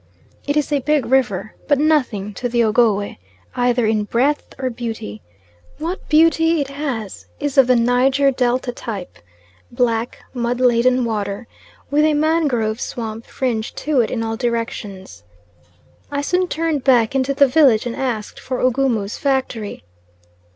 It is a big river, but nothing to the Ogowe, either in breadth or beauty; what beauty it has is of the Niger delta type black mud laden water, with a mangrove swamp fringe to it in all directions. I soon turned back into the village and asked for Ugumu's factory.